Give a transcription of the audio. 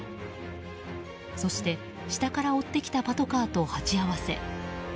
そして、下から追ってきたパトカーと鉢合わせ。